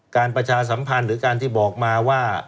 ประชาสัมพันธ์หรือการที่บอกมาว่า